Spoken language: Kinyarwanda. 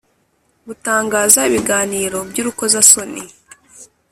Gutangaza Ibiganiro By Urukozasoni